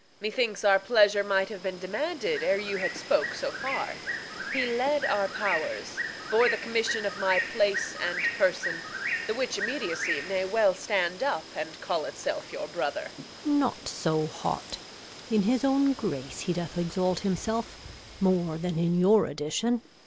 Methinks our pleasure might have been demanded Ere you had spoke so far. He led our powers, Bore the commission of my place and person, The which immediacy may well stand up And call itself your brother. Gon. Not so hot! In his own grace he doth exalt himself More than in your addition.